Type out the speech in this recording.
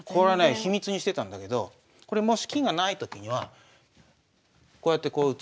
秘密にしてたんだけどこれもし金が無いときにはこうやってこう打つ。